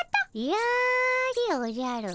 やでおじゃる。